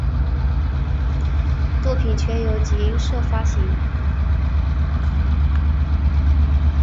作品全由集英社发行。